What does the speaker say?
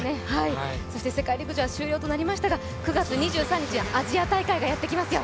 世界陸上は終了となりましたが、９月２３日、アジア大会がやってきますよ。